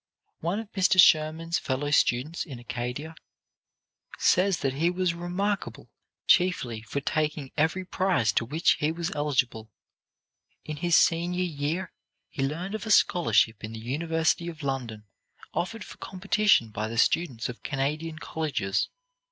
One of Mr. Schurman's fellow students in Acadia says that he was remarkable chiefly for taking every prize to which he was eligible. In his senior year, he learned of a scholarship in the University of London offered for competition by the students of Canadian colleges.